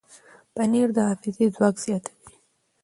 پنېر د حافظې ځواک زیاتوي.